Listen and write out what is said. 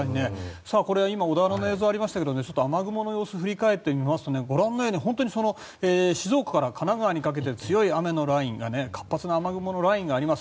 今、小田原の映像がありましたが雨雲の様子を振り返ってみますと静岡から神奈川にかけて強い雨のライン活発な雨雲のラインがあります。